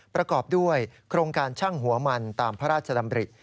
ประกอบด้วยโครงการช่างหัวมันตามพระราชดำริ